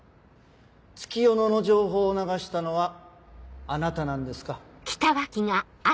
月夜野の情報を流したのはあなたなんですか？